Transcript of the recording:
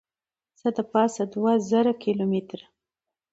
څه دپاسه دوه زره کیلو متره